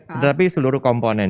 tetapi seluruh komponen